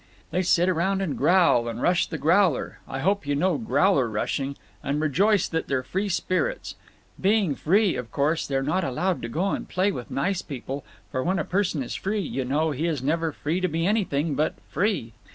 They sit around and growl and rush the growler—I hope you know growler rushing—and rejoice that they're free spirits. Being Free, of course, they're not allowed to go and play with nice people, for when a person is Free, you know, he is never free to be anything but Free.